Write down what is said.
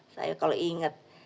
saya kalau inget